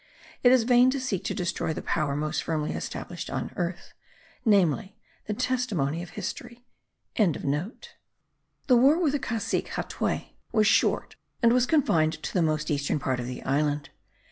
It is vain to seek to destroy the power most firmly established on earth, namely, the testimony of history.) The war with the Cacique Hatuey was short and was confined to the most eastern part of the island.